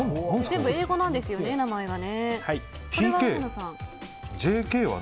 全部英語なんですよね、名前が。